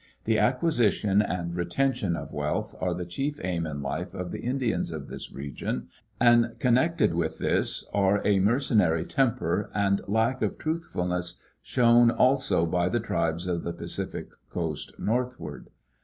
The acquisition and retention of wealth are the chief aim in life of the Indians of this region, and connected with this are a mercenary temper and lack of truthful ness shown also by the tribes of the Pacific coast northward.